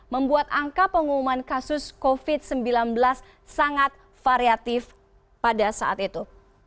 membuat angka pengumuman kasus covid sembilan belas sangat variatif pada saat itu